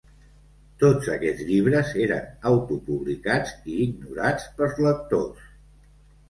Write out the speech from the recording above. Tots aquests llibres eren autopublicats i ignorats pels lectors.